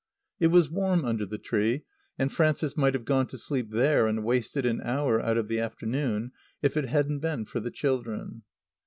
It was warm under the tree, and Frances might have gone to sleep there and wasted an hour out of the afternoon, if it hadn't been for the children.